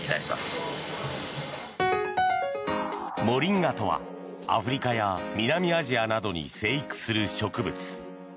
モリンガとは、アフリカや南アジアなどに生育する植物。